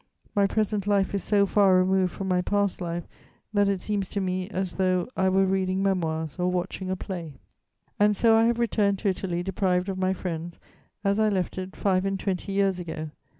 My present life is so far removed from my past life that it seems to me as though I were reading Memoirs or watching a play.' "And so I have returned to Italy deprived of my friends, as I left it five and twenty years ago.